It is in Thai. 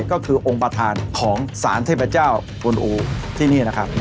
ก็คือองค์ประธานของสารเทพเจ้ากวนอูที่นี่นะครับ